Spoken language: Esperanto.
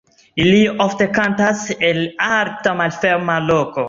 Ili ofte kantas el alta malferma loko.